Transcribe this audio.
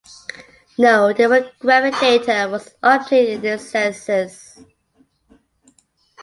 No demographic data was obtained in this census.